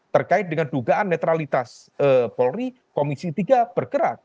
terkait dengan dugaan netralitas polri komisi tiga bergerak